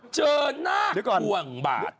เจอหน้าห่วงบาด